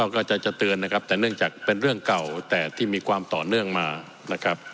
ก็จะเตือนนะครับแต่เนื่องจากเป็นเรื่องเก่าแต่ที่มีความต่อเนื่องมานะครับ